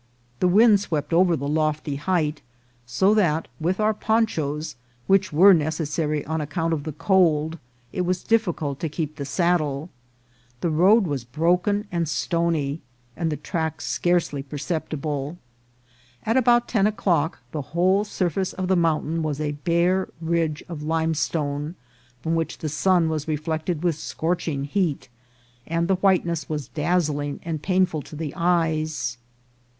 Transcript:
The wind swept over the lofty height, so that with our ponchas, which were necessary on account of the cold, it was difficult to keep the sad dle. The road was broken and stony, and the track scarcely perceptible. At about ten o'clock the whole surface of the mountain was a bare ridge of limestone, from which the sun was reflected with scorching heat, and the whiteness was dazzling and painful to the eyes.